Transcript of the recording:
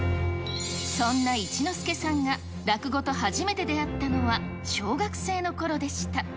そんな一之輔さんが落語と初めて出会ったのは小学生のころでした。